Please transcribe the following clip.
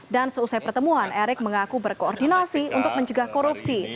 dan selesai pertemuan erik mengaku berkoordinasi untuk menjegah korupsi